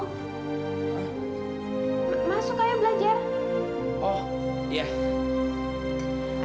masuk ayo belajar